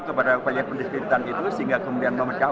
supaya kita bisa merilisaskan tujuan besar